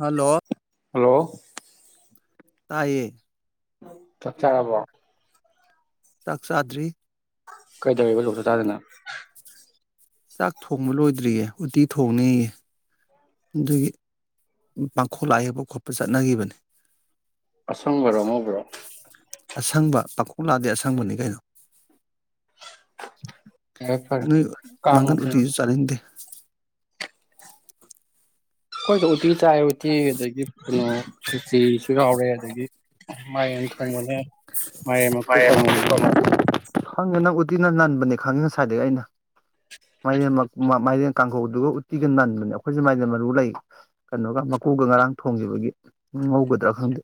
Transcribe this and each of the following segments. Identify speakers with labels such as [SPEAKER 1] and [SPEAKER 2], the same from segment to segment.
[SPEAKER 1] Hello
[SPEAKER 2] hello
[SPEAKER 1] ꯇꯥꯏꯌꯦ
[SPEAKER 2] ꯆ ꯈꯔꯕꯣꯣ
[SPEAKER 1] ꯆꯛꯁꯗ꯭ꯔꯤ
[SPEAKER 2] ꯀꯩꯗꯧꯋꯕ ꯂꯣꯛꯁꯨ ꯇꯥꯗꯅ
[SPEAKER 1] ꯆꯥꯛ ꯊꯣꯡꯕ ꯂꯣꯏꯗ꯭ꯔꯤꯌꯦ ꯎꯇꯤ ꯊꯣꯡꯅꯤꯩꯌꯦ ꯑꯗꯨꯒꯤ ꯄꯥꯡꯈꯣꯜ ꯂꯥꯏ ꯌꯦꯛꯄ ꯈꯣꯠꯄ ꯆꯠꯅꯈꯤꯕꯅꯤ
[SPEAKER 2] ꯄꯁꯪꯕ ꯔꯣꯃ ꯀ꯭ꯔꯣ
[SPEAKER 1] ꯑꯁꯪꯕ ꯄꯥꯈꯣꯛ ꯂꯥꯗꯦ ꯑꯁꯪꯕꯅꯤ ꯀꯩꯅꯣ
[SPEAKER 2] ꯐꯔꯦ ꯐꯔꯦ
[SPEAKER 1] ꯅꯣꯏ
[SPEAKER 2] ꯀꯥꯡ
[SPEAKER 1] ꯃꯪꯒꯟ
[SPEAKER 2] ꯃꯇꯝ
[SPEAKER 1] ꯎꯁꯨ ꯆꯥꯂꯅꯤꯗꯦ
[SPEAKER 2] ꯍꯣꯏꯣ ꯎ ꯆꯥꯏ ꯎꯇꯤ ꯑꯗꯒꯤ ꯀꯩꯅꯣ ꯁꯨꯆꯤꯁꯨ ꯌꯥꯥꯎꯔꯦ ꯑꯗꯨꯗꯒꯤ ꯃꯥꯏ ꯑꯟꯊꯧꯣꯛ ꯃꯅꯨꯡꯦ
[SPEAKER 1] ꯐꯪꯉ ꯅꯪ ꯎꯇꯤꯅ ꯅꯟꯕꯅꯦ ꯈꯪꯉꯤ ꯉꯁꯥꯏꯗꯒꯤ ꯑꯩꯅ ꯃꯥꯏ ꯃꯥꯏꯔꯦꯟ ꯀꯥꯡꯈꯧꯗꯨꯒ ꯎꯇꯤꯒ ꯅꯟꯕꯅꯦ ꯑꯩꯈꯣꯏꯁꯦ ꯃꯥꯏꯗꯤ ꯃꯔꯨ ꯂꯩ ꯀꯩꯅꯣꯒ ꯃꯀꯨꯒ ꯉꯔꯥꯡ ꯊꯣꯡꯈꯤꯕꯒꯤ ꯉꯧꯒꯗ꯭ꯔꯥ ꯈꯪꯗꯦ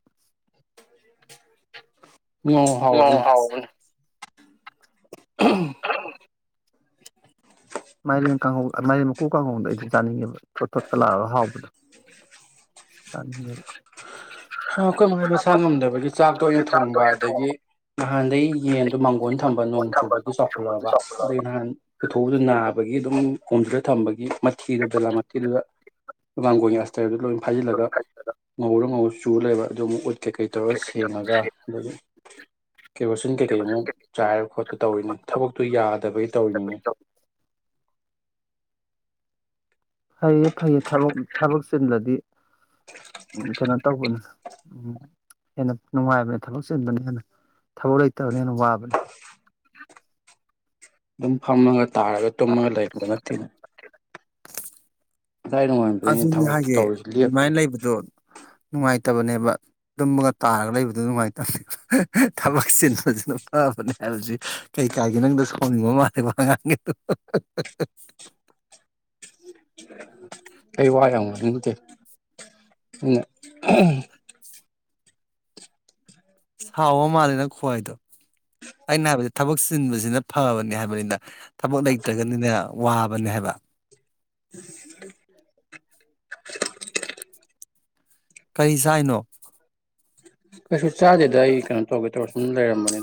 [SPEAKER 2] ꯑꯣ ꯍꯥꯎꯅꯦ
[SPEAKER 1] [unintelligible] ꯃꯥꯏꯔꯦꯟ ꯀꯥꯡ ꯃꯥꯏꯔꯦꯟ ꯃꯀꯨ ꯀꯥꯡꯉꯗ ꯑꯩꯗꯤ ꯆꯥꯅꯤꯡꯉꯦꯕ ꯊꯣꯠ ꯊꯣꯠꯀ ꯂꯥꯛꯑꯒ ꯍꯥꯎꯕꯗꯣ ꯆꯥꯅꯤꯡꯉꯦꯕ
[SPEAKER 2] ꯑꯩꯈꯣꯏ ꯃꯩ ꯃꯁꯥ ꯉꯝꯗꯕꯒꯤ ꯆꯥꯛꯇ ꯑꯣꯏꯅ ꯊꯣꯡꯕ ꯑꯗꯒꯤ ꯅꯍꯥꯟꯗꯒꯤꯩ ꯌꯦꯟꯗꯣ ꯃꯥꯡꯒꯣꯟ ꯊꯝꯕ ꯅꯣꯡ ꯆꯨꯕꯒꯤ ꯆꯥꯎꯈꯠꯂꯛꯑꯕ ꯑꯗꯒꯤ ꯅꯍꯥꯟꯊꯣꯛ ꯑꯗꯨ ꯅꯥꯕꯒꯤ ꯑꯗꯨꯝ ꯈꯣꯡꯗꯨꯗ ꯊꯝꯕꯒꯤ ꯃꯊꯤꯗꯨ ꯕꯦꯂꯥ ꯃꯊꯤꯗꯨꯗ ꯂꯉꯥꯡꯒꯣꯏ ꯑꯁꯇꯔꯗꯨ ꯂꯣꯏ ꯐꯥꯖꯤꯜꯂꯒ ꯉꯍꯧꯔ ꯉꯧꯍꯧ ꯂꯩꯕꯨ ꯀꯩꯀꯩ ꯇꯧꯔ ꯁꯦꯡꯉꯒ ꯑꯗꯒꯤ ꯀꯦꯔꯣꯁꯤꯟ ꯀꯩꯀꯩ ꯑꯃꯨꯛ ꯆꯥꯏꯔ ꯈꯣꯠꯠꯇ ꯇꯧꯔꯤꯅꯤ ꯊꯕꯛꯇꯨ ꯌꯥꯗꯕꯒꯤ ꯇꯧꯔꯤꯅꯤꯅꯦ
[SPEAKER 1] ꯐꯩꯌꯦ ꯐꯩꯌꯦ ꯊꯕꯛ ꯊꯕꯛ ꯆꯤꯟꯂꯗꯤ ꯀꯩꯅꯣ ꯇꯧꯕꯅꯦ ꯍꯦꯟꯅ ꯅꯨꯡꯉꯥꯏꯕꯅꯦ ꯊꯕꯛ ꯆꯤꯟꯕꯅ ꯍꯦꯟꯅ ꯊꯕꯛ ꯂꯩ ꯑꯣꯅ ꯋꯥꯕ ꯂ
[SPEAKER 2] ꯑꯗꯨꯝ ꯐꯝꯃꯒ ꯇꯥꯔꯒ ꯇꯨꯝꯃꯒ ꯂꯩꯕ ꯅꯠꯇꯦꯅꯦ ꯉꯁꯥꯏ ꯅꯣꯡꯉꯥꯟꯕꯗꯩꯅꯦ
[SPEAKER 1] ꯑꯗꯨꯅꯤ
[SPEAKER 2] ꯊꯕꯛ
[SPEAKER 1] ꯍꯥꯏꯒꯦ
[SPEAKER 2] ꯇꯧꯔꯤꯁꯤ ꯂꯦꯞꯇ꯭ꯔꯤ
[SPEAKER 1] ꯑꯗꯨꯃꯥꯏꯅ ꯂꯩꯕꯗꯣ ꯅꯨꯡꯉꯥꯏꯇꯕꯅꯦꯕ ꯇꯨꯝꯃꯒ ꯇꯥꯔꯒ ꯂꯩꯕꯗꯨ ꯅꯨꯡꯉꯥꯏꯇꯕꯅꯦ ꯊꯕꯛꯁꯤꯟ ꯐꯖꯤꯅ ꯐꯥꯕꯅꯦ ꯍꯂꯣꯖꯤ ꯀꯩꯀꯥꯏꯒꯦ ꯅꯪꯗ ꯁꯥꯎꯅꯤꯡꯕ ꯃꯥꯜꯂꯦꯕꯉꯥꯡꯒꯤꯗꯣ
[SPEAKER 2] ꯑꯩꯩ ꯋꯥꯏ ꯌꯥꯝ ꯋꯥ ꯅꯤꯡꯇꯦ
[SPEAKER 1] ꯁꯥꯎꯕ ꯃꯥꯜꯂꯦꯅ ꯈ꯭ꯋꯥꯏꯗꯣ ꯑꯩꯅ ꯍꯥꯏꯕꯁ ꯊꯕꯛ ꯆꯤꯟꯕꯁꯤꯅ ꯐꯕꯅꯤ ꯍꯥꯏꯕꯅꯤꯅ ꯊꯕꯛ ꯂꯩꯇ꯭ꯔꯒꯅꯤꯅꯦ ꯋꯥꯕꯅꯦ ꯍꯥꯏꯕ
[SPEAKER 2] [unintelligible]
[SPEAKER 1] ꯀꯔꯤ ꯁ ꯍꯥꯏꯅꯣ
[SPEAKER 2] ꯀꯩꯁꯨ ꯆꯥꯗꯦꯗ ꯑꯩ ꯀꯩꯅꯣ ꯇꯧꯒꯦ ꯇꯧꯔ ꯁꯨꯝ ꯂꯩꯔꯝꯕꯅꯤ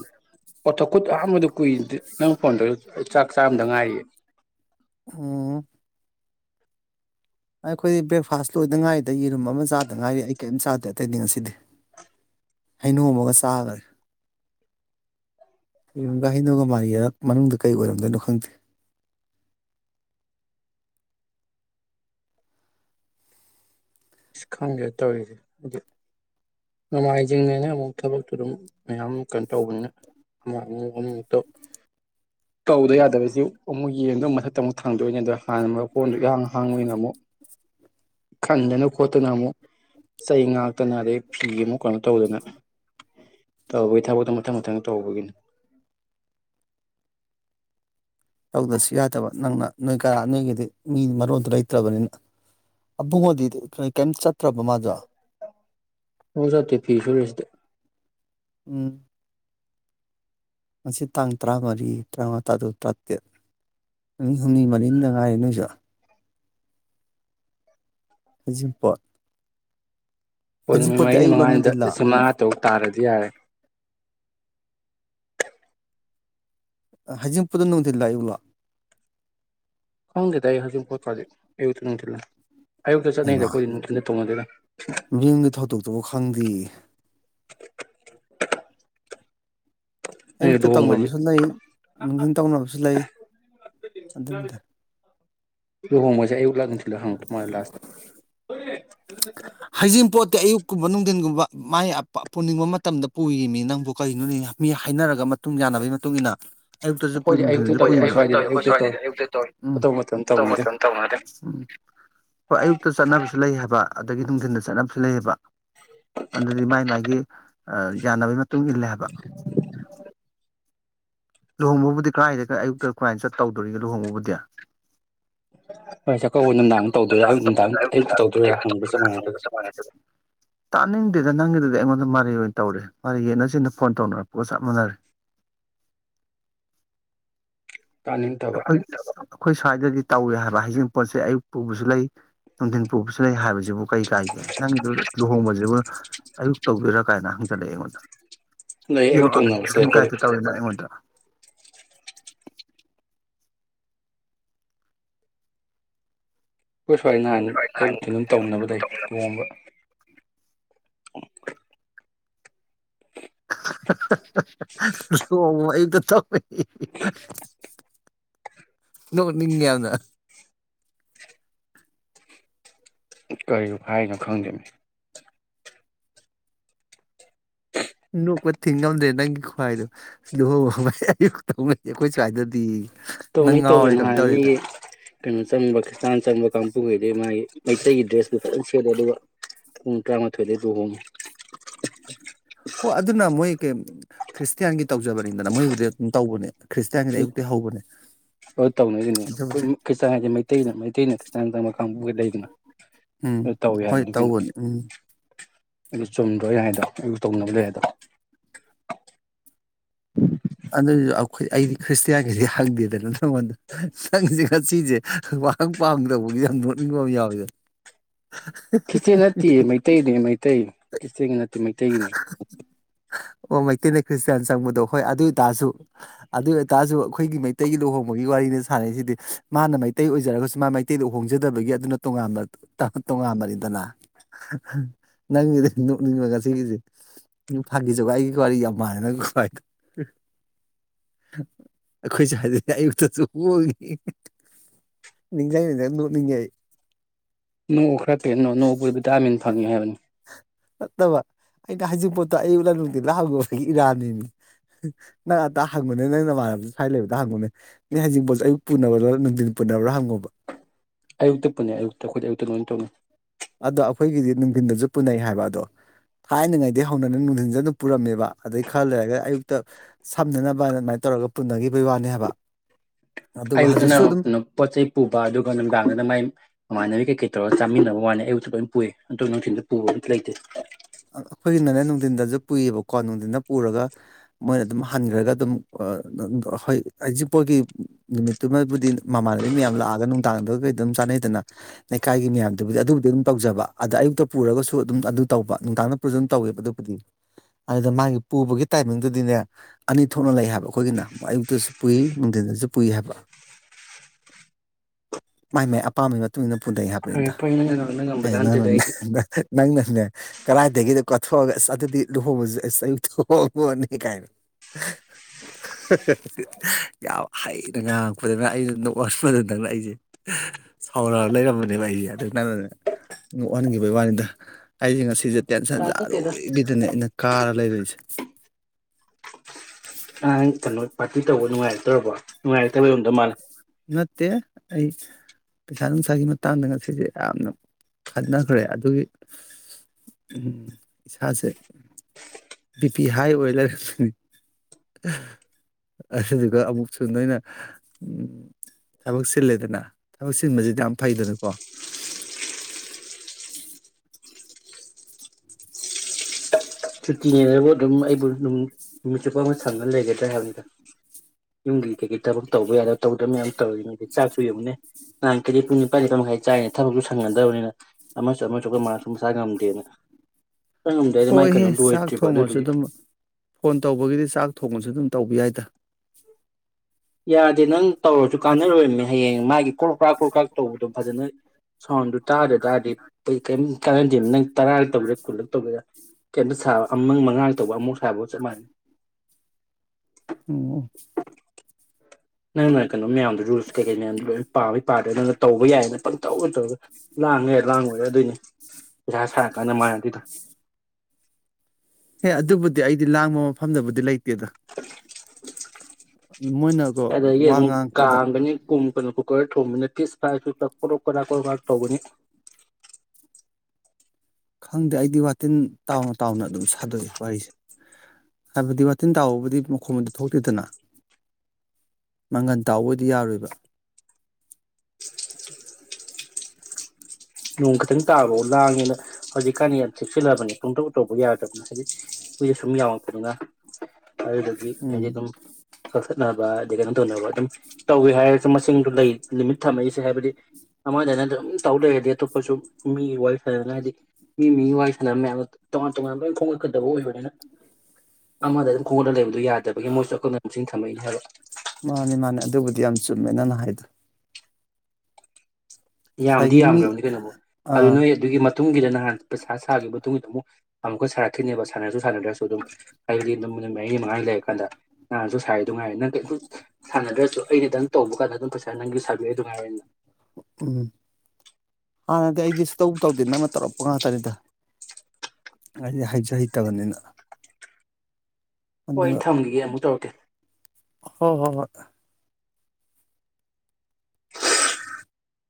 [SPEAKER 2] ꯄꯣꯊꯣ ꯈꯨꯠ ꯑꯍꯥꯟꯕꯗ ꯀꯨꯏꯦ ꯅꯪ ꯐꯣꯟ ꯇꯧ ꯑꯩ ꯆꯥꯛ ꯆꯥꯔꯝꯗ ꯉꯥꯏꯔꯤꯌꯦ
[SPEAKER 1] ꯑꯝ ꯑꯩꯈꯣꯏꯗꯤ ꯕ꯭ꯔꯦꯛꯐꯥꯁ ꯂꯣꯏꯗꯅ ꯉꯥꯏꯔꯤꯗ ꯌꯦꯔꯨꯝ ꯑꯃ ꯆꯥꯗ ꯉꯥꯏꯔꯤ ꯑꯩ ꯀꯔꯤꯝ ꯆꯥꯗꯦ ꯑꯇꯩꯗꯤ ꯉꯁꯤꯗꯤ ꯍꯩꯅꯣ ꯑꯃꯒ ꯆꯥꯈ꯭ꯔꯦ ꯌꯦꯔꯨꯝꯒ ꯍꯩꯅꯧꯒ ꯃꯥꯜꯂꯤꯔꯛ ꯃꯅꯨꯡꯗ ꯀꯩ ꯑꯣꯏꯔꯝꯗꯣꯏꯅꯣ ꯈꯪꯗꯦ
[SPEAKER 2] ꯏꯁ ꯈꯪꯒꯦ ꯇꯧꯔꯤꯁꯦ ꯍꯥꯏ ꯅꯣꯡꯃꯥꯏꯖꯤꯡꯅꯤꯅ ꯑꯃꯨꯛ ꯊꯕꯛꯇꯨ ꯑꯗꯨꯝ ꯃꯌꯥꯝ ꯀꯩꯅꯣ ꯇꯧꯕꯅꯤꯅ ꯑꯃ ꯑꯃ ꯑꯃꯃꯨꯛꯇꯣ ꯇꯧꯗ ꯌꯥꯗꯕꯁꯤ ꯑꯃꯨꯛ ꯌꯦꯡꯗ ꯃꯊꯛꯇ ꯑꯃꯨꯛ ꯊꯥꯡꯗꯣꯏꯅꯦ ꯑꯗ ꯁꯥꯟꯅꯅꯕ ꯐꯣꯟꯗꯨ ꯏꯍꯥꯡ ꯍꯥꯡ ꯑꯣꯏꯅ ꯑꯃꯨꯛ ꯈꯟꯗꯅ ꯈꯣꯠꯇꯅ ꯑꯃꯨꯛ ꯆꯩ ꯉꯥꯛꯇꯅ ꯑꯗꯩ ꯐꯤ ꯑꯃꯨꯛ ꯀꯩꯅꯣ ꯇꯧꯗꯅ ꯇꯧꯕꯒꯤ ꯊꯕꯛꯇꯣ ꯃꯊꯪ ꯃꯊꯪ ꯇꯧꯕꯒꯤꯅꯤ
[SPEAKER 1] ꯇꯧꯗ꯭ꯔꯁꯨ ꯌꯥꯗꯕ ꯅꯪꯅ ꯅꯣꯏ ꯀꯔꯥ ꯅꯣꯏꯒꯤꯗꯤ ꯃꯤ ꯃꯔꯣꯟꯗꯨꯣ ꯂꯩꯇ꯭ꯔꯕꯅꯤꯅ ꯑꯕꯨꯡꯉꯣꯗꯤꯗꯤ ꯀꯩꯝ ꯆꯠꯇ꯭ꯔꯕ ꯃꯥꯗꯣ
[SPEAKER 2] ꯍ ꯆ ꯊ ꯐꯤꯤꯁ ꯍꯂꯁꯗꯦ
[SPEAKER 1] ꯑꯣ ꯃꯁꯤ ꯇꯥꯡ ꯇꯔꯥꯃꯔꯤ ꯇꯔꯥꯃꯥꯊꯥꯗ ꯇꯔꯥꯇꯔꯦꯠ ꯅꯨꯃꯤꯠ ꯍꯨꯝꯅꯤ ꯃꯔꯤꯅꯤꯗ ꯉꯥꯏꯔꯦ ꯅꯣꯏꯁꯨ ꯍꯧꯖꯤꯝꯄꯣꯠ
[SPEAKER 2] ꯍꯣꯏ ꯅꯨꯃꯤꯠ ꯃꯔꯤꯅꯤ ꯃꯉꯥꯅꯤꯗ
[SPEAKER 1] ꯅꯨꯡꯊꯤꯜꯂ
[SPEAKER 2] ꯂꯤꯁꯤꯡ ꯃꯉꯥ ꯇꯔꯨꯛ ꯇꯥꯔꯗꯤ ꯌꯥꯔꯦ
[SPEAKER 1] ꯍꯖꯤꯤꯡꯄꯗ ꯅꯨꯡꯊꯤꯟꯜ ꯂꯥꯛꯏꯨ ꯂꯥꯛ
[SPEAKER 2] ꯀꯣꯡꯒꯦ ꯇꯥꯏ ꯍꯖꯤꯝ ꯄꯣꯠꯇꯗ ꯇ ꯅꯇꯂ ꯑꯌꯨꯛꯇ ꯆꯠꯅꯩꯗ
[SPEAKER 1] ꯍꯩꯃꯥ
[SPEAKER 2] ꯑꯩꯈꯣꯏꯗꯤ ꯅꯨꯡꯊꯤꯜ ꯇꯣꯡꯅꯗꯅ
[SPEAKER 1] ꯏ
[SPEAKER 2] ꯅꯣꯏ
[SPEAKER 1] ꯑꯌꯨꯛꯇ
[SPEAKER 2] ꯂꯨꯍꯣꯡꯕꯗꯤ
[SPEAKER 1] ꯇꯧꯅꯕꯁꯨ ꯂꯩ ꯅꯨꯡꯊꯤꯟ ꯇꯧꯅꯕꯁꯨ ꯂꯩ ꯑꯗꯨꯅꯤꯗ
[SPEAKER 2] ꯍ ꯃꯖ ꯌꯥ ꯂꯅ ꯊꯂ ꯍꯪ ꯇ ꯂ
[SPEAKER 1] ꯍꯩꯖꯤꯤꯡꯝꯄꯣꯠꯇꯤ ꯑꯌꯨꯛ ꯀꯨꯝꯕ ꯅꯨꯡꯊꯤꯟꯒꯨꯝꯕ ꯃꯥꯏ ꯄꯨꯅꯤꯡꯕ ꯃꯇꯝꯗ ꯄꯨꯔꯤ ꯃꯤ ꯅꯪꯕꯨ ꯀꯔꯤꯅꯣꯅꯤ ꯃꯤ ꯍꯥꯏꯅꯔꯒ ꯃꯇꯨꯡ ꯌꯥꯅꯕꯒꯤ ꯃꯇꯨꯡ ꯏ ꯃꯇꯨꯡꯏꯟꯅ ꯑꯌꯨꯛꯇꯁꯨ ꯎ
[SPEAKER 2] ꯑꯩꯈꯣꯏꯗꯤ ꯑꯌꯨꯛꯇ ꯇꯧꯋꯤ ꯑꯩꯈꯣꯏ ꯁ꯭ꯋꯥꯏꯗꯗꯤ ꯑꯌꯨꯛꯇ ꯇꯧꯋꯤ ꯑꯇꯣꯞꯄ ꯃꯇꯝ ꯇꯧꯅꯗꯦ
[SPEAKER 1] ꯍꯣꯏ ꯑꯌꯨꯛꯇ ꯆꯠꯅꯕꯁꯨ ꯂꯩ ꯍꯥꯏꯕ ꯑꯗꯒꯤ ꯅꯨꯡꯊꯤꯟꯗ ꯆꯠꯅꯕꯁꯨ ꯂꯩꯌꯦꯕ ꯑꯗꯨꯗꯤ ꯃꯥꯥꯏ ꯃꯥꯒꯤ ꯌꯥꯅꯕꯒꯤ ꯃꯇꯨꯡ ꯏꯜꯂꯦ ꯍꯥꯏꯕ ꯂꯨꯍꯣꯡꯕꯕꯨꯗꯤ ꯀꯗꯥꯥꯏꯗ ꯑꯌꯨꯛꯇ ꯀꯃꯥꯏꯅ ꯆꯠ ꯇꯧꯗꯣꯔꯤꯒꯦ ꯂꯨꯍꯣꯡꯕꯕꯨꯗꯤ
[SPEAKER 2] ꯍꯣꯏ ꯆꯥꯛꯀꯧꯕ ꯅꯨꯡꯗꯥꯡ ꯇꯧꯗꯣꯏꯔꯥ ꯑꯌꯨꯛ ꯅꯨꯡꯗꯥꯡ
[SPEAKER 1] ꯇꯧꯗꯣꯏꯔꯥ ꯑꯌꯨꯛ
[SPEAKER 2] ꯑꯌꯨꯛꯇ
[SPEAKER 1] ꯉꯟꯇꯥ
[SPEAKER 2] ꯇꯧꯗꯣꯏꯔꯥ
[SPEAKER 1] ꯑꯌꯨꯛꯇ
[SPEAKER 2] ꯍꯪꯕ꯭ꯔꯥ ꯁꯨꯃꯥꯏꯅ
[SPEAKER 1] ꯍꯪꯕ
[SPEAKER 2] ꯑꯗꯨꯗ
[SPEAKER 1] ꯆꯞ ꯃꯥꯟꯅꯩ ꯑꯗꯨꯗꯤ꯫ ꯇꯥꯅꯤꯡꯗꯦꯗ ꯅꯪꯒꯤꯗꯨꯗꯤ ꯑꯩꯉꯣꯟꯗ ꯃꯥꯒꯤ ꯑꯣꯏꯅ ꯇꯧꯔꯦ ꯃꯥꯩ ꯌꯦꯠꯅꯁꯤꯅ ꯐꯣꯟ ꯇꯧꯅꯔꯛꯄꯒ ꯆꯞ ꯃꯥꯟꯅꯔꯦ
[SPEAKER 2] ꯇꯥꯅꯤꯡꯗꯕ
[SPEAKER 1] ꯑꯩꯈꯣꯏ ꯑꯩꯈꯣꯏ ꯁ꯭ꯋꯥꯏꯗꯗꯤ ꯇꯧꯏꯦ ꯍꯥꯏꯕ ꯍꯥꯏꯖꯤꯡ ꯄꯣꯠꯁꯦ ꯑꯌꯨꯛ ꯄꯨꯕꯁꯨ ꯂꯩ ꯅꯨꯡꯊꯤꯟ ꯄꯨꯕꯁꯨ ꯂꯩ ꯍꯥꯏꯕꯁꯤꯕꯨ ꯀꯩ ꯀꯥꯏꯒꯦ ꯅꯪꯗꯨ ꯂꯨꯍꯣꯡꯕꯁꯤꯕꯨ ꯑꯌꯨꯛ ꯇꯧꯗꯣꯏꯔꯥ ꯀꯥꯏꯅ ꯍꯪꯖꯜꯂꯛꯑꯦ ꯑꯩꯉꯣꯟꯗ
[SPEAKER 2] ꯂꯩ ꯑꯌꯨꯛ ꯇꯣꯡꯅꯕꯁꯨ ꯂꯩ
[SPEAKER 1] ꯌ ꯀꯥꯏ
[SPEAKER 2] ꯑꯩꯈꯣꯏꯗꯤ
[SPEAKER 1] ꯇꯧꯃꯣꯟꯗ꯭ꯔ
[SPEAKER 2] ꯑꯩꯈꯣꯏ ꯁ꯭ꯋꯥꯏ ꯅꯍꯥꯟ ꯑꯩꯕꯨ ꯑꯗꯨꯝ ꯇꯧꯅꯕ ꯂꯩ ꯂꯨꯍꯣꯡꯕ
[SPEAKER 1] ꯆꯣꯛꯄꯤꯤꯠ [unintelligible] ꯅ ꯅꯤꯡꯉꯗ
[SPEAKER 2] ꯀꯔꯤ ꯍꯥꯏꯅꯣ ꯈꯪꯗꯕꯅꯤ
[SPEAKER 1] ꯅꯣꯛꯄ ꯊꯤꯡꯉꯝꯗ꯭ꯔꯦ ꯅꯪꯒꯤ ꯈ꯭ꯋꯥꯏꯗꯣ ꯂꯨꯍꯣꯡ ꯑꯌꯨꯛꯧꯅꯁ ꯑꯩꯈꯣꯏ ꯁ꯭ꯋꯥꯏꯗꯗꯤ ꯅꯪ
[SPEAKER 2] ꯇꯧꯅꯤꯩ
[SPEAKER 1] ꯉꯥꯎꯔꯦ
[SPEAKER 2] ꯇꯧꯋꯦꯅ
[SPEAKER 1] ꯀꯩꯅꯣ
[SPEAKER 2] ꯍꯥꯏ
[SPEAKER 1] ꯇꯧꯔꯦꯗ
[SPEAKER 2] ꯃꯤꯒꯤ ꯀꯩꯅꯣ ꯆꯪꯕ ꯈ꯭ꯔꯤꯁꯇꯥꯟ ꯆꯪꯕ ꯀꯥꯡꯕꯨꯈꯩꯗꯤꯩ ꯃꯥꯒꯤ ꯃꯩꯇꯩꯒꯤ ꯗ꯭ꯔꯦꯁꯄꯨ ꯐꯖꯅ ꯁꯦꯠꯂꯦ ꯑꯗꯨꯒ ꯄꯨꯡ ꯇꯔꯥꯃꯥꯊꯣꯏꯗ ꯂꯨꯍꯣꯡꯉꯦ
[SPEAKER 1] ꯍꯣ ꯑꯗꯨꯅ ꯃꯣꯏ ꯀꯩ ꯈ꯭ꯔꯤꯁꯇꯤꯌꯥꯟꯒꯤ ꯇꯧꯖꯕꯅꯤꯗꯅ ꯃꯣꯏꯕꯨꯗꯤ ꯑꯗꯨꯝ ꯇꯧꯕꯅꯦ ꯈ꯭ꯔꯤꯁꯇꯤꯌꯥꯟꯒꯤꯗꯤ ꯑꯌꯨꯛꯇꯩ ꯍꯧꯕꯅꯦ
[SPEAKER 2] ꯇꯧꯅꯗꯨꯅꯦ
[SPEAKER 1] ꯑꯗꯨꯕꯨꯗꯤ
[SPEAKER 2] ꯑꯩꯈꯣꯏ ꯈ꯭ꯔꯤꯁꯇꯥꯟ ꯍꯥꯏꯁꯦ ꯃꯩꯇꯩꯅ ꯃꯩꯇꯩꯅ ꯈ꯭ꯔꯤꯁꯇꯥꯟ ꯇꯝ ꯐꯥꯡꯕꯨꯒ ꯂꯩꯗꯅ
[SPEAKER 1] ꯎꯝ
[SPEAKER 2] ꯑꯗꯨ
[SPEAKER 1] ꯍꯣꯏ ꯇꯧꯕꯅꯤ ꯎꯝ
[SPEAKER 2] ꯑꯩ ꯆꯨꯝꯗ꯭ꯔꯣꯏ ꯑꯩ ꯍꯥꯏꯗꯣ ꯑꯩ ꯇꯧꯗꯦ ꯍꯥꯏꯗ
[SPEAKER 1] [unintelligible] ꯑꯩꯗꯤ ꯈ꯭ꯔꯤꯁꯇꯤꯌꯥ ꯑꯩ ꯍꯪꯗꯦꯗꯅ ꯅꯪꯉꯣꯟꯗ ꯅꯪꯁꯦ ꯉꯁꯤꯁꯦ ꯋꯥꯍꯪ ꯄꯥꯝꯒꯗꯧꯕꯒꯤ ꯌꯥꯝ ꯅꯣꯛꯅꯤꯡꯕ ꯑꯃ ꯌꯥꯎꯋꯦꯗ
[SPEAKER 2] ꯀꯆꯦ ꯅꯠꯇꯦ ꯃꯩꯇꯩꯅꯦ ꯃꯩꯇꯩ ꯏꯁꯒꯤꯅ ꯇꯩꯒꯤꯅꯦ
[SPEAKER 1] ꯑꯣ ꯃꯩꯇꯩꯅ ꯈ꯭ꯔꯤꯁꯇꯤꯌꯥꯟ ꯆꯪꯕꯗꯣ ꯍꯣꯏ ꯑꯗꯨ ꯑꯣꯏꯇꯥꯔꯁꯨ ꯑꯗꯨ ꯑꯣꯏꯇꯥꯔꯁꯨ ꯑꯩꯈꯣꯏꯒꯤ ꯃꯩꯇꯩꯒꯤ ꯂꯨꯍꯣꯡꯕꯒꯤ ꯋꯥꯔꯤꯅ ꯁꯥꯟꯅꯩꯁꯤꯗꯤ ꯃꯥꯅ ꯃꯩꯇꯩ ꯑꯣꯏꯖꯔꯒꯁꯨ ꯃꯥ ꯃꯩꯇꯩꯗꯨ ꯍꯣꯡꯖꯗꯕꯒꯤ ꯑꯗꯨꯅ ꯇꯣꯉꯥꯟꯕ ꯇꯣꯉꯥꯟꯕꯅꯤꯗꯅ ꯅꯪꯒꯤꯗ ꯅꯣꯛꯅꯤꯡꯉꯒ ꯁꯤꯒꯤꯁꯦ ꯐꯥꯈꯤ ꯖꯒ ꯑꯩꯒꯤ ꯋꯥꯔꯤ ꯌꯥꯝ ꯃꯥꯟꯅꯅꯕ ꯑꯩꯈꯣꯏꯁꯨ ꯍꯥꯏꯗꯗꯤ ꯑꯌꯨꯛꯇꯁꯨ ꯍꯣꯡꯉꯤ ꯅꯤꯡꯖ ꯅꯤꯡꯖ ꯅꯣꯛꯅꯤꯡꯉꯦ ꯑꯩ
[SPEAKER 2] ꯅꯣꯡ ꯎꯈ꯭ꯔ ꯇ ꯅ ꯅꯣꯡ ꯎꯕꯨꯕ ꯇ ꯐꯪꯉꯤ ꯍꯥꯏꯕꯅꯤ
[SPEAKER 1] ꯅꯠꯇꯕ ꯑꯩꯅ ꯍꯖꯤꯤꯡꯄꯣꯠꯇꯣ ꯑꯌꯨꯛꯂ ꯅꯨꯡꯊꯤꯟꯗ ꯍꯪꯉꯨꯕꯒꯤ ꯏꯔꯥꯅꯤꯅꯤ ꯅꯪ ꯑꯗꯥ ꯍꯪꯕꯅꯦ ꯅꯪ ꯅꯃꯥꯟꯅꯕꯗ ꯁ꯭ꯋꯥꯏ ꯂꯩꯕꯗ ꯍꯪꯕꯅꯦ ꯅ ꯍꯖꯤꯤꯡꯄꯣꯠꯁꯦ ꯑꯌꯨꯛ ꯄꯨꯅꯕꯗ ꯅꯨꯡꯊꯤꯟ ꯄꯨꯅꯕ꯭ꯔꯥ ꯍꯪꯉꯨꯕ
[SPEAKER 2] ꯑꯌꯨꯛꯇ ꯄꯨꯟꯅ ꯑꯌꯨꯛꯇ ꯑꯩꯈꯣꯏꯗꯤ ꯑꯌꯨꯛꯇ ꯂꯣꯏꯅ ꯇꯧꯅꯤ
[SPEAKER 1] ꯑꯗꯣ ꯑꯩꯈꯣꯏꯒꯤꯗꯤ ꯅꯨꯡꯊꯤꯟꯗꯁꯨ ꯄꯨꯅꯩ ꯍꯥꯏꯕ ꯑꯗꯣ ꯊꯥꯏꯅꯉꯩꯗꯒꯤ ꯍꯧꯅꯅ ꯅꯨꯡꯊꯤꯟꯁ ꯑꯗꯨꯝ ꯄꯨꯔꯝꯃꯦꯕ ꯑꯗꯩ ꯈꯔ ꯂꯩꯔꯒꯗꯤ ꯑꯌꯨꯛꯇ ꯁꯝꯅꯅꯕꯅ ꯑꯗꯨꯃꯥꯏꯅ ꯇꯧꯔꯒ ꯄꯨꯅꯈꯤꯕꯩ ꯋꯥꯅꯤ ꯍꯥꯏꯕ ꯑꯗꯨꯒ
[SPEAKER 2] ꯑꯩꯌꯨꯗꯅ
[SPEAKER 1] ꯍꯧꯖꯤꯛꯁꯨ ꯑꯗꯨꯝ
[SPEAKER 2] ꯄꯣꯠ ꯆꯩ ꯄꯨꯕ ꯑꯗꯨꯒ ꯅꯨꯡꯗꯥꯡꯗꯅ ꯃꯥꯏ ꯃꯃꯥꯟꯅꯕꯤ ꯀꯩꯀꯩ ꯇꯧꯔ ꯆꯥꯃꯤꯟꯅꯕ ꯋꯥꯅꯤ ꯑꯩꯕꯨꯁꯨ ꯂꯣꯏ ꯄꯨꯏ ꯑꯣ ꯅꯨꯡꯊꯤꯟꯗ ꯄꯨꯕꯕꯨꯝ ꯂꯩꯇꯦ
[SPEAKER 1] ꯑꯩꯈꯣꯏꯒꯤꯅꯅꯦ ꯅꯨꯡꯊꯤꯟꯗꯁꯨ ꯄꯨꯏꯌꯦꯕꯀꯣ ꯅꯨꯡꯊꯤꯟꯗ ꯄꯨꯔꯒ ꯃꯣꯏꯅ ꯑꯗꯨꯝ ꯍꯟꯈ꯭ꯔꯒ ꯑꯗꯨꯝ ꯍꯣꯏ ꯍꯧꯖꯤꯛꯐꯥꯎꯒꯤ ꯅꯨꯃꯤꯠꯇꯨꯃꯕꯨꯗꯤ ꯃꯃꯥꯟꯅꯕꯤ ꯃꯌꯥꯝ ꯂꯥꯛꯑꯒ ꯅꯨꯡꯗꯥꯡꯗꯒ ꯀꯩ ꯑꯗꯨꯝ ꯆꯥꯟꯅꯩꯗꯅ ꯂꯩꯀꯥꯏꯒꯤ ꯃꯌꯥꯝꯗꯨꯕꯨꯗꯤ ꯑꯗꯨꯕꯨꯗꯤ ꯑꯗꯨꯝ ꯇꯧꯖꯕ ꯑꯗ ꯑꯌꯨꯛꯇ ꯄꯨꯔꯒꯁꯨ ꯑꯗꯨꯝ ꯑꯗꯨ ꯇꯧꯕ ꯅꯨꯡꯗꯥꯡꯗ ꯄꯨꯁꯨꯝ ꯇꯧꯋꯦꯕ ꯑꯗꯨꯕꯨꯗꯤ ꯑꯗꯨꯗ ꯃꯥꯒꯤ ꯄꯨꯕꯒꯤ ꯇꯥꯏꯃꯤꯡꯗꯨꯗꯤꯅꯦ ꯑꯅꯤ ꯊꯣꯛꯅ ꯂꯩ ꯍꯥꯏꯕ ꯑꯩꯈꯣꯏꯒꯤꯅ ꯑꯌꯨꯛꯇꯁꯨ ꯄꯨꯏ ꯅꯨꯡꯊꯤꯟꯗꯁꯨ ꯄꯨꯏ ꯍꯥꯏꯕ ꯃꯥꯏ ꯃꯥꯏ ꯑꯄꯥꯝꯕꯒꯤ ꯃꯇꯨꯡꯏꯟꯅ ꯄꯨꯗꯩ
[SPEAKER 2] ꯐꯔꯦ
[SPEAKER 1] ꯍꯥꯞꯄꯅꯤꯗ
[SPEAKER 2] ꯐꯔꯦ ꯅꯪꯅ ꯅꯪꯅ ꯉꯝꯕꯖꯥꯠ
[SPEAKER 1] ꯍꯥꯏꯪ
[SPEAKER 2] ꯅꯠꯇꯦꯗ ꯑꯩꯗꯤ
[SPEAKER 1] ꯅꯪ ꯅꯪ ꯀꯗꯥꯏꯗꯒꯤꯗꯣ ꯀꯠꯊꯣꯛꯑꯒ ꯑꯁ ꯑꯗꯨꯗꯤ ꯂꯨꯍꯣꯡꯕꯁꯨ ꯑꯁ ꯑꯌꯨꯛꯛꯇꯨꯣꯡꯉꯣꯅꯤ ꯀꯥꯏꯅ ꯌꯥꯝ ꯍꯩꯅ ꯉꯥꯡꯉꯛꯄꯗꯅ ꯑꯩꯩꯅ ꯅꯣꯛꯍꯟꯄꯗ ꯅꯪꯅ ꯑꯩꯁꯦ ꯁꯥꯎꯔꯒ ꯂꯩꯔꯝꯕꯅꯦꯕ ꯑꯩꯁꯦ ꯑꯗꯨ ꯅꯪꯅ ꯅꯣꯛ ꯑꯣꯟꯈꯤꯕꯒꯤ ꯋꯥꯅꯤꯗ ꯑꯩꯁꯦ ꯉꯁꯤ
[SPEAKER 2] ꯇꯥꯅꯤꯡꯇꯦꯗ
[SPEAKER 1] ꯇꯦꯟꯁꯟꯖꯔꯣꯏꯒꯤꯗꯅꯦ ꯑꯩꯅ ꯀꯥꯔ ꯂꯩ
[SPEAKER 2] ꯑ ꯊꯣ ꯄꯥꯔꯇꯤ ꯇꯧꯕ ꯅꯨꯡꯉꯥꯏꯔꯛꯇ꯭ꯔꯕꯣ ꯉꯥꯏꯛꯇꯕ ꯌꯉꯗ ꯃꯥꯜꯂꯦ
[SPEAKER 1] ꯅꯠꯇꯦ ꯑꯩ ꯄꯩꯁꯥ ꯅꯨꯡꯁꯥꯒꯤ ꯃꯇꯥꯡꯗ ꯉꯁꯤꯁꯦ ꯌꯥꯝꯅ ꯈꯟꯅꯈ꯭ꯔꯦ ꯑꯗꯨꯒꯤ ꯎꯝ ꯏꯁꯥꯁꯦ ꯕꯤ ꯄꯤ ꯍꯥꯏ ꯑꯣꯏ ꯂꯩꯔꯛꯄꯅꯤ ꯑꯗꯨꯗꯨꯒ ꯑꯃꯨꯛꯁꯨ ꯅꯣꯏꯅ ꯊꯕꯛ ꯁꯤꯜꯂꯦꯗꯅ ꯊꯕꯛ ꯁꯤꯟꯕꯁꯤꯗꯤ ꯌꯥꯝ ꯐꯩꯗꯅꯀꯣ [unintelligible]
[SPEAKER 2] ꯁꯨꯇꯤꯅꯦꯕꯨ ꯑꯗꯨꯝ ꯑꯩꯕꯨ ꯑꯗꯨꯝ ꯅꯨꯃꯤꯠ ꯆꯨꯞꯄ ꯑꯃ ꯁꯪꯉ ꯂꯩꯒꯗ꯭ꯔꯥ ꯍꯥꯏꯕꯅꯤꯗ ꯌꯨꯝꯒꯤ ꯀꯩꯀꯩ ꯊꯕꯛ ꯇꯧꯕ ꯌꯥꯗ ꯇꯧꯗꯕ ꯃꯌꯥꯝ ꯇꯧꯔꯤꯅꯤꯗꯤ ꯆꯥꯛꯁꯨ ꯌꯦꯡꯉꯨꯅꯦ ꯉꯥꯟ ꯀꯩꯗꯤ ꯄꯨꯡ ꯅꯤꯄꯥꯥꯟ ꯅꯤꯄꯥꯥꯟ ꯃꯈꯥꯏ ꯆꯥꯏꯅꯦ ꯊꯕꯛꯁꯨ ꯁꯪꯒꯗꯕꯅꯤꯅ ꯑꯃꯁꯨ ꯑꯃ ꯆꯀ ꯃꯛꯁꯨ ꯃꯁꯥ ꯉꯝꯗꯦꯅ ꯑꯪꯝꯗ ꯑꯗꯨ ꯃꯥꯏ
[SPEAKER 1] ꯍꯣꯏꯍꯦ
[SPEAKER 2] ꯀꯩꯅꯣ
[SPEAKER 1] ꯆꯥꯛ
[SPEAKER 2] ꯂꯣꯏꯗ꯭ꯔꯤꯕ
[SPEAKER 1] ꯊꯣꯡꯉꯁꯨ
[SPEAKER 2] ꯑꯗꯨꯗꯨꯒꯤ
[SPEAKER 1] ꯑꯗꯨꯝ ꯐꯣꯟ ꯇꯧꯕꯒꯤꯗꯤ ꯆꯥꯛ ꯊꯣꯡꯕꯁꯨ ꯑꯗꯨꯝ ꯇꯧꯕꯤ ꯍꯥꯏꯏꯗ
[SPEAKER 2] ꯌꯥꯗꯦ ꯅꯪ ꯇꯧꯔꯁꯨ ꯀꯥꯟꯅꯔꯣꯏꯝꯃꯦ ꯍꯌꯦꯡ ꯃꯥꯒꯤ ꯀ꯭ꯔꯣꯛ ꯀ꯭ꯔꯥꯛ ꯀ꯭ꯔꯣ ꯀ꯭ꯔꯥꯛ ꯇꯧꯕꯗꯣ ꯐꯖꯅ ꯁꯥꯎꯟꯗꯨ ꯇꯥꯗ ꯇꯥꯔꯗꯤꯩ ꯀꯔꯤꯝ ꯀꯥꯟꯅꯟꯗꯦ ꯅꯪ ꯇꯔꯥꯔ ꯇꯧꯒꯦꯔꯥ ꯀꯨꯜꯂ ꯇꯧꯒꯦꯔꯥ ꯀꯩꯝꯇ ꯁꯥꯕ ꯑꯃ ꯃꯉꯥꯔ ꯇꯧꯕ ꯑꯃꯨꯐꯛ ꯁꯥꯕꯒ ꯆꯞ ꯃꯥꯟꯅꯩ
[SPEAKER 1] ꯑꯣ
[SPEAKER 2] ꯅꯪꯅ ꯀꯩꯅꯣ ꯃꯌꯥꯝꯗꯣ ꯔꯨꯜꯁ ꯀꯩꯀꯩ ꯃꯌꯥꯝꯗꯣ ꯂꯣꯏ ꯄꯥꯕꯩ ꯄꯥꯗ꯭ꯔꯦ ꯅꯪꯅ ꯇꯧꯕ ꯌꯥꯏꯌꯦꯅ ꯄꯪ ꯇꯧꯔ ꯇꯧꯔꯒ ꯂꯥꯡꯉꯔ ꯂꯥꯡꯉꯣꯏꯔ ꯑꯗꯨꯣꯏꯅꯤ ꯄꯩꯁꯥ ꯁꯥꯔꯀꯥꯟꯗ ꯃꯥꯅ ꯑꯗꯨꯏꯗꯣ
[SPEAKER 1] ꯍꯦ ꯑꯗꯨꯕꯨꯗꯤ ꯑꯩꯗꯤ ꯂꯥꯡꯕ ꯃꯐꯝꯗꯕꯨꯗꯤ ꯂꯩꯇꯦ ꯦꯗ ꯃꯣꯏꯅꯀꯣ ꯋꯥ ꯉꯥꯡꯉꯛꯄꯗ
[SPEAKER 2] ꯊꯣꯡꯃꯤꯅ ꯇ ꯐ ꯀ ꯀꯣꯏꯥꯛ ꯇꯧꯕꯅꯤ
[SPEAKER 1] ꯈꯪꯗꯦ ꯑꯩꯗꯤ ꯋꯥ ꯇꯤꯟ ꯇꯥꯎꯅ ꯇꯥꯎꯅ ꯑꯗꯨꯝ ꯁ ꯊꯥꯗꯣꯛꯑꯦ ꯋꯥꯔꯤꯁꯦ ꯍꯥꯏꯕꯗꯤ ꯋꯥꯇꯤꯟ ꯇꯥꯎꯕꯕꯨꯗꯤ ꯃꯈꯣ ꯑꯗꯨ ꯊꯣꯛꯇꯦꯗꯅ ꯃꯪꯒꯟ ꯇꯥꯎꯕꯗꯤ ꯌꯥꯔꯣꯏꯕ
[SPEAKER 2] ꯣꯡꯇ ꯣ ꯂꯅ ꯍꯧꯖꯤꯛꯀꯥꯟꯗꯤ ꯌꯥꯝ ꯊꯦꯛꯆꯜꯂꯑꯕꯅꯤ ꯄꯨꯡꯇꯧ ꯇꯧꯕ ꯌꯥꯔꯣꯏꯗꯕꯅꯤ ꯍꯥꯏꯗꯤ ꯀꯨꯏꯁꯦ ꯁꯨꯝ ꯌꯥꯎꯔꯛꯄꯅꯤꯅ ꯑꯗꯨꯗꯒꯤ ꯍꯥꯏꯗꯤ
[SPEAKER 1] ꯎꯝ
[SPEAKER 2] ꯑꯗꯨꯝ ꯀꯛꯊꯠꯅꯕ ꯑꯩ ꯀꯩꯅꯣ ꯇꯧꯅꯕ ꯑꯗꯨꯝ ꯇꯧꯋ ꯍꯥꯏ ꯤꯡ ꯂꯩ ꯂꯤꯃꯤꯠ ꯊꯝꯃꯛꯏꯁꯦ ꯍꯥꯏꯕꯗꯤ ꯑꯃꯃꯗ ꯍꯥꯏꯅ ꯑꯗꯨꯝ ꯇꯧꯗꯔꯗꯤ ꯋꯥꯏꯐ ꯐꯅ ꯍꯥꯏꯗꯤ ꯃꯤ ꯃꯤ ꯋꯥꯔꯤ ꯁꯥꯟꯅꯕ ꯃꯌꯥꯝꯗ ꯇꯣꯉꯥꯟ ꯇꯣꯉꯥꯟꯕ ꯂꯣꯏ ꯈꯣꯡꯂꯠꯀꯗꯕ ꯑꯣꯏꯕꯅꯤꯅ ꯑꯃꯗ ꯑꯗꯨꯝ ꯈꯣꯡꯒꯠꯂꯒ ꯂꯩꯕꯗꯨꯣ ꯌꯥꯗꯕꯒꯤ ꯃꯣꯏꯁꯨ ꯑꯀꯛ ꯑꯁꯤꯡ ꯊꯝꯃꯛꯏꯅꯤ ꯍꯥꯏꯕ
[SPEAKER 1] ꯃꯥꯅꯦ ꯃꯥꯅꯦ ꯑꯗꯨꯕꯨꯗꯤ ꯌꯥꯝ ꯆꯨꯝꯃꯦ ꯅꯪꯅ ꯍꯥꯏꯗ
[SPEAKER 2] ꯌꯥꯝꯗꯤ
[SPEAKER 1] ꯉꯁꯥꯏꯒꯤ ꯃꯤ
[SPEAKER 2] ꯌꯥꯝꯈ꯭ꯔꯕꯅꯤ ꯀꯩꯅꯣꯕꯨꯣ ꯑꯗꯨ
[SPEAKER 1] ꯑꯥ
[SPEAKER 2] ꯅꯣꯏ ꯑꯗꯨꯒꯤ ꯃꯇꯨꯡꯒꯤꯗ ꯅꯍꯥꯟ ꯄꯩꯁꯥ ꯁꯥꯈꯤꯕ ꯃꯇꯨꯡꯒꯤꯗ ꯑꯃꯨꯛ ꯑꯃꯨꯛꯀ ꯁꯥꯔꯛꯈꯤꯅꯦꯕ ꯁꯥꯟꯅꯔꯁꯨ ꯁꯥꯟꯅꯗ꯭ꯔꯁꯨ ꯑꯗꯨꯝ ꯑꯩꯗꯤ ꯃ ꯃꯒꯤ ꯃꯃꯥꯗ ꯂꯩꯔꯀꯥꯟꯗ ꯅꯍꯥꯟꯁꯨ ꯁꯥꯏꯔꯤ ꯑꯗꯨꯅꯨꯡ ꯉꯥꯏꯔꯦ ꯅꯪ ꯀꯩꯝ ꯁꯥꯟꯅꯗ꯭ꯔꯁꯨ ꯑꯩꯅꯗꯪ ꯇꯧꯕ ꯀꯥꯟꯗ ꯑꯗꯨꯝ ꯄꯩꯁꯥ ꯅꯪꯒꯤ ꯁꯥꯕꯤ ꯑꯗꯨ ꯉꯥꯏꯔꯦꯅ
[SPEAKER 1] ꯎꯝ ꯍꯥꯟꯅꯗꯤ ꯑꯩꯗꯤ ꯁꯇꯧ ꯇꯧꯗꯦ ꯅꯪꯅ ꯇꯧꯔꯛꯄ ꯉꯥꯛꯇꯅꯤꯗ ꯑꯩꯗꯤ ꯍꯩꯖ ꯍꯩꯇꯕꯅꯤꯅ
[SPEAKER 2] ꯍꯣꯏ ꯊꯝꯈꯤꯒꯦ ꯑꯃꯨꯛ ꯇꯧꯔꯛꯀꯦ
[SPEAKER 1] ꯍꯣꯏ ꯍꯣꯏ ꯍꯣꯏ ꯑ